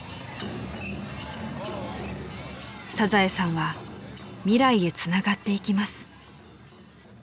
［『サザエさん』は未来へつながっていきます］